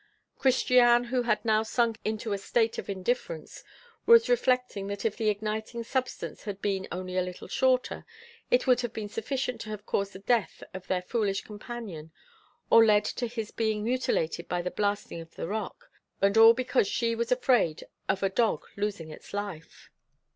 Christiane, who had now sunk into a state of indifference, was reflecting that if the igniting substance had been only a little shorter, it would have been sufficient to have caused the death of their foolish companion or led to his being mutilated by the blasting of the rock, and all because she was afraid of a dog losing its life.